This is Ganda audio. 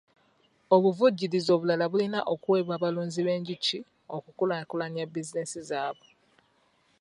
Obuvujjirizi obulala bulina okweweebwa abalunzi b'enjuki okukulaakulanya bizinensi zaabwe.